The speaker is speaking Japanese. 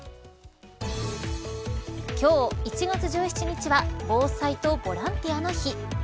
今日１月１７日は防災とボランティアの日。